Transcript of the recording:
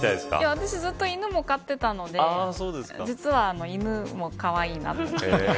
私ずっと犬も飼っていたので実は、犬もかわいいなと。